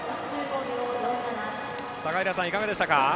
高平さん、いかがでしたか？